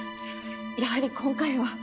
やはり今回は。